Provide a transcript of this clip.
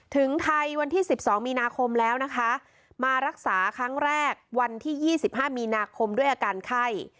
ถึงไทยวันที่๑๒มีนาคมแล้วนะคะมารักษาครั้งแรกวันที่๒๕มีนาคมด้วยอาการไข้